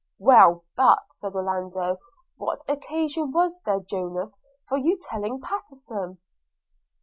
'Well, but,' said Orlando, 'what occasion was there, Jonas, for your telling Pattenson?'